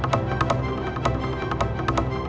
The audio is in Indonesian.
kau berada di antara tangan gak